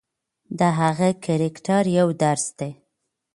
د هغه کرکټر یو درس دی.